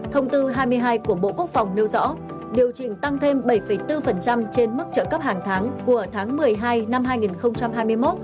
thông tư hai mươi hai của bộ quốc phòng nêu rõ điều chỉnh tăng thêm bảy bốn trên mức trợ cấp hàng tháng của tháng một mươi hai năm hai nghìn hai mươi một